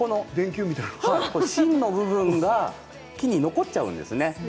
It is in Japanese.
芯の部分が木に残っちゃうんですね。